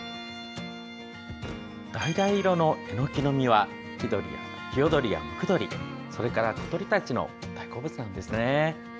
だいだい色のエノキの実はヒヨドリやムクドリそれから小鳥たちの大好物なんですね。